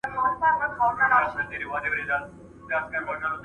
ځوانان دوکان ته ورځي.